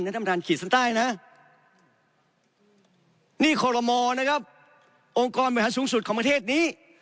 น้ำตาลขีดสั้นใต้นะนี่โครโลมอล์นะครับองค์กรบริหารสูงสุดของประเทศนี้